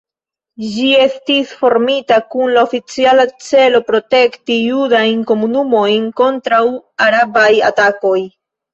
Ĝi estis formita kun la oficiala celo protekti judajn komunumojn kontraŭ arabaj atakoj.